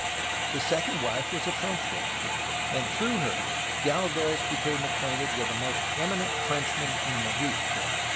His second wife was a French woman, and through her Galvez became acquainted with the most eminent Frenchmen in Madrid.